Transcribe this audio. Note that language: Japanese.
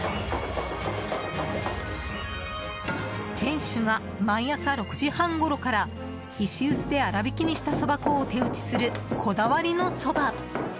店主が毎朝６時半ごろから石臼で粗びきにしたそば粉を手打ちする、こだわりのそば。